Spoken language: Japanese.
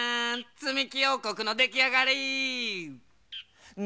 つみきおうこくのできあがり！ね？